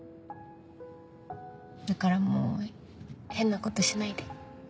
だからもう変な事しないで。